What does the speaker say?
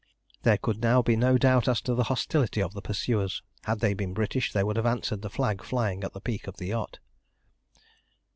There could now be no doubt as to the hostility of the pursuers. Had they been British, they would have answered the flag flying at the peak of the yacht.